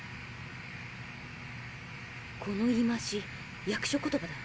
この言い回し役所言葉だ。